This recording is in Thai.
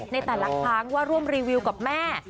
ในส่วนหลังทางว่าร่วมรีวิวกับแม่